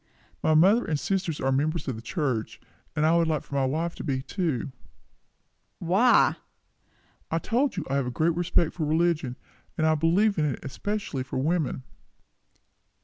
"My mother and sister are members of the church; and I should like my wife to be, too." "Why?" "I told you, I have a great respect for religion; and I believe in it especially for women."